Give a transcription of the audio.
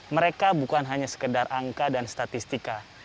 mereka bukan hanya sekedar angka dan statistika